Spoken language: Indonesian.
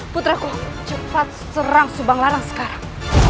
putraku cepat serang subang larang sekarang